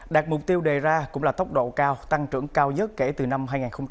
đạt mục tiêu đề ra cũng là tốc độ cao tăng trưởng cao nhất kể từ năm hai nghìn một mươi tám